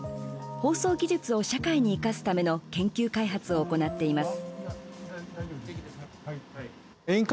放送技術を社会に生かすための研究開発を行っています。